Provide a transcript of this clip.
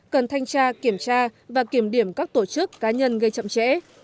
cần thanh tra kiểm tra và kiểm điểm các tổ chức cá nhân gây chậm trễ